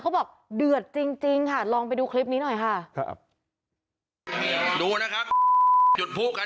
บอกเดือดจริงค่ะลองไปดูคลิปนี้หน่อยค่ะ